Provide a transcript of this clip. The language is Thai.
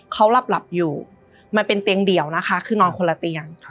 เขาหลับอยู่มันเป็นเตียงเดี่ยวนะคะคือนอนคนละเตียง